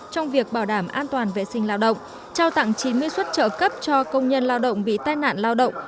trong việc bảo đảm an toàn vệ sinh lao động trao tặng chín mươi xuất trợ cấp cho công nhân lao động bị tai nạn lao động